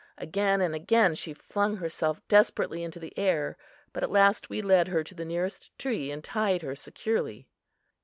Again and again she flung herself desperately into the air, but at last we led her to the nearest tree and tied her securely.